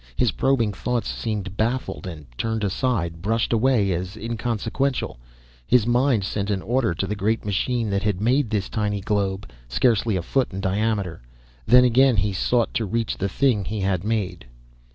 His probing thoughts seemed baffled and turned aside, brushed away, as inconsequential. His mind sent an order to the great machine that had made this tiny globe, scarcely a foot in diameter. Then again he sought to reach the thing he had made.